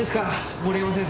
森山先生。